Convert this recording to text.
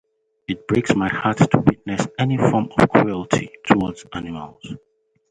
It breaks my heart to witness any form of cruelty towards animals.